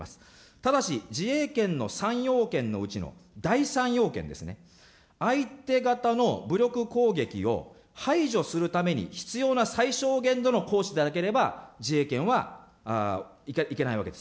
ただし、自衛権の３要件のうちの第３要件ですね、相手方の武力攻撃を排除するために必要な最小限度の行使でなければ、自衛権はいけないわけです。